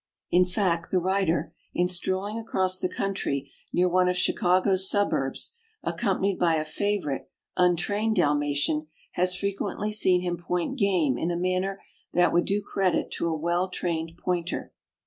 In fact, the writer, in strolling across the country near one of Chicago's suburbs, accompanied by a favorite (untrained) Dalmatian, has frequently seen him point game in a manner that would do credit to a well trained Pointer.